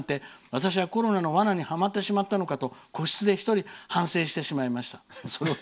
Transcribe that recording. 私はコロナのわなにはまってしまったのかと個室で１人反省してしまいました。」